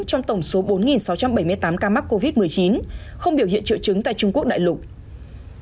trong tổng số bốn sáu trăm bảy mươi tám ca mắc covid một mươi chín không biểu hiện triệu chứng tại trung quốc đại lục